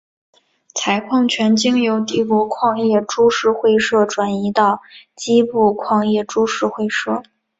采矿权经由帝国矿业株式会社转移到矶部矿业株式会社。